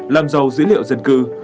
làm giàu dữ liệu dân cư